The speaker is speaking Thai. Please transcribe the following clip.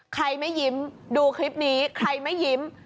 ใครไม่ยิ้มดูคลิปนี้ใครไม่ยิ้ม